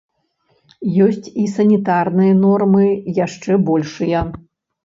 Ёсць і санітарныя нормы яшчэ большыя.